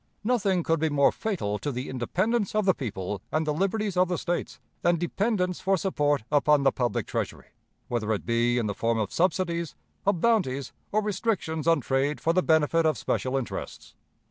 Nothing could be more fatal to the independence of the people and the liberties of the States than dependence for support upon the public Treasury, whether it be in the form of subsidies, of bounties, or restrictions on trade for the benefit of special interests.